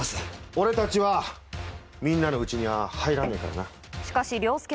俺たちはみんなのうちには入らねえからな。